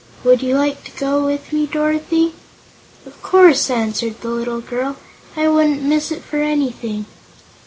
Would you like to go with me, Dorothy?" "Of course," answered the little girl; "I wouldn't miss it for anything."